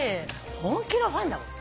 本気のファンだもん。